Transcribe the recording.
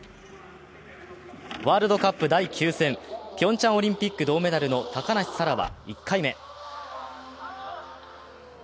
ワールドカップ第９戦、ピョンチャンオリンピック銅メダルの高梨沙羅は１回目。